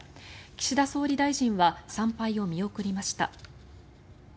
岸田総理大臣は参拝を見送りました。